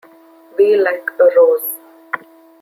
Be Like a Rose!